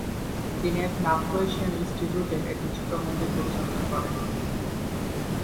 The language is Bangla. তিনি এখন আফ্রো-এশিয়ান ইনস্টিটিউটের একটি ছোট মন্দির পরিচালনা করেন।